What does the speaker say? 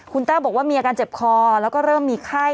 คุณแต้วบอกว่ามีอาการเจ็บคอแล้วก็เริ่มมีไข้